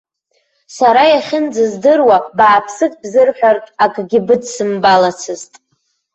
Сара иахьынӡаздыруа, бааԥсык бзырҳәартә, акгьы быдсымбалацызт.